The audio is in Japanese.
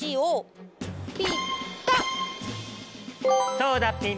そうだピン。